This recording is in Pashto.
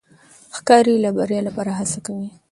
ښکاري د بریا لپاره هڅه کوي.